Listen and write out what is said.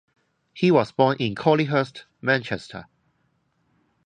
He was born in Collyhurst, Manchester.